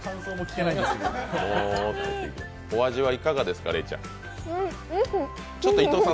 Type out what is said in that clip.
お味はいかがですか？